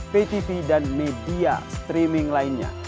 ptv dan media streaming lainnya